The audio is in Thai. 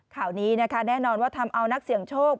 ข่าวนี้นะคะแน่นอนว่าทำเอานักเสี่ยงโชค